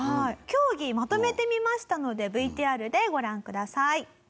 競技まとめてみましたのでＶＴＲでご覧ください。